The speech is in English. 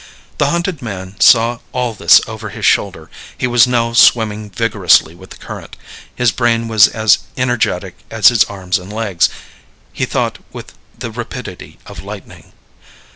The hunted man saw all this over his shoulder; he was now swimming vigorously with the current. His brain was as energetic as his arms and legs; he thought with the rapidity of lightning.